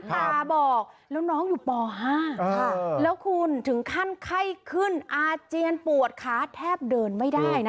ตาบอกแล้วน้องอยู่ป๕แล้วคุณถึงขั้นไข้ขึ้นอาเจียนปวดขาแทบเดินไม่ได้นะ